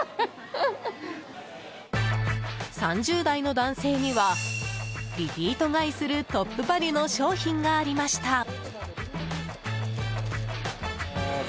３０代の男性にはリピート買いするトップバリュの商品がありました。